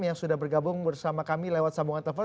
yang sudah bergabung bersama kami lewat sambungan telepon